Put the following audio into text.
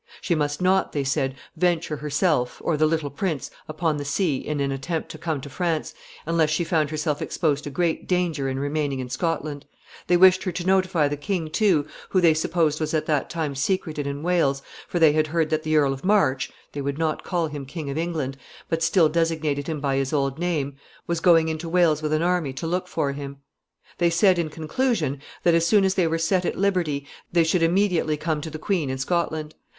She must not, they said, venture herself, or the little prince, upon the sea in an attempt to come to France, unless she found herself exposed to great danger in remaining in Scotland. They wished her to notify the king, too, who they supposed was at that time secreted in Wales, for they had heard that the Earl of March they would not call him King of England, but still designated him by his old name was going into Wales with an army to look for him. [Sidenote: Their professions and promises.] They said, in conclusion, that as soon as they were set at liberty they should immediately come to the queen in Scotland.